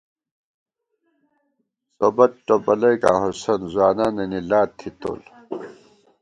سوبت ٹوپلَئیکاں ہوسند ځوانانَنی لاد تھی تول